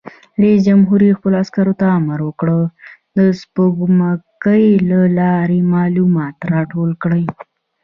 رئیس جمهور خپلو عسکرو ته امر وکړ؛ د سپوږمکۍ له لارې معلومات راټول کړئ!